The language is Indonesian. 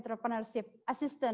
para pengusaha kebanyakan